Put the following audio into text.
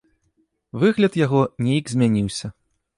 Выгляд яго нейк змяніўся.